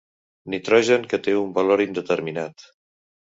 Nitrogen que té un valor indeterminat.